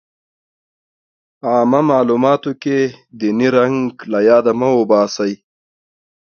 عامه معلوماتو کې ديني رنګ له ياده مه وباسئ.